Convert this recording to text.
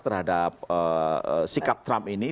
terhadap sikap trump ini